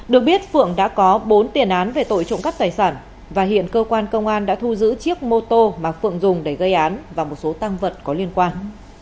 được biết phượng đã có bốn tiền án về tội trộm cắp tài sản và hiện cơ quan công an đã thu giữ chiếc mô tô mà phượng dùng để gây án và một số tăng vật có liên quan